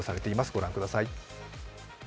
ご覧ください。